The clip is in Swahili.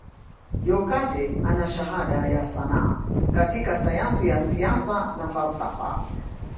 Jokate ana shahada ya sanaa katika sayansi ya Siasa na falsafa